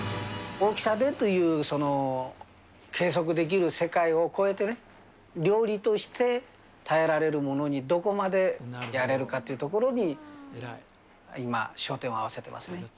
大きさでっていう、計測できる世界を超えてね、料理としてたえられるものにどこまでやれるかというところに、今、焦点を合わせていますね。